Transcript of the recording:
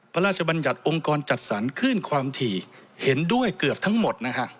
พระราชบัญญัติองค์กรจัดสรรคลื่นความถี่เห็นด้วยเกือบทั้งหมดนะฮะ